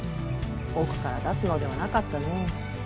奥から出すのではなかったの。